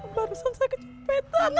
barusan sakit petan